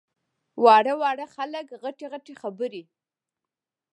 واړه واړه خلک غټې غټې خبرې!